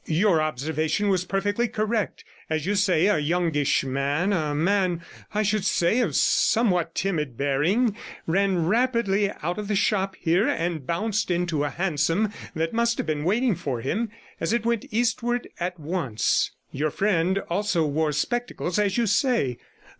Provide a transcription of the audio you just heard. Your observation was perfectly correct. As you say, a youngish man — a man, I should say, of somewhat timid bearing ran rapidly out of the shop here, and bounced 15 into a hansom that must have been waiting for him, as it went eastwards at once. Your friend also wore spectacles, as you say.